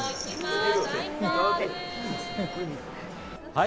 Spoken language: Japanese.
はい。